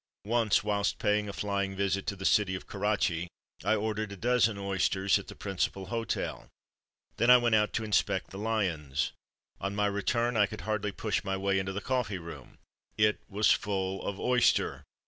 Once whilst paying a flying visit to the city of Kurachi, I ordered a dozen oysters at the principal hotel. Then I went out to inspect the lions. On my return I could hardly push my way into the coffee room. It was full of oyster!